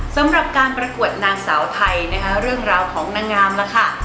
สำหรับการประกวดนางสาวไทยนะคะเรื่องราวของนางงามล่ะค่ะ